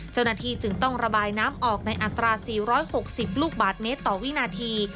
เจ้าหน้าที่จึงต้องระบายน้ำออกในอัตรา๔๖๐ลูกบาทเมตรต่อวินาที